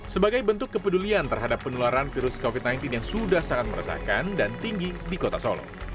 sebagai bentuk kepedulian terhadap penularan virus covid sembilan belas yang sudah sangat meresahkan dan tinggi di kota solo